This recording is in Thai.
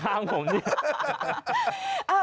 ทางข้างผมนี่